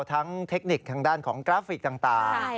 เทคนิคทางด้านของกราฟิกต่าง